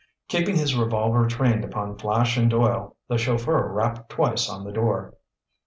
Keeping his revolver trained upon Flash and Doyle, the chauffeur rapped twice on the door.